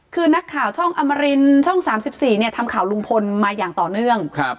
คือนักข่าวช่องอมรินช่องสามสิบสี่เนี้ยทำข่าวลุงพลมาอย่างต่อเนื่องครับ